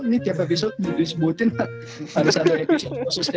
ini tiap episode disebutin harus ada episode khusus jacob butel kayaknya